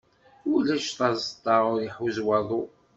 Ulac taseṭṭa ur ihuzz waḍu.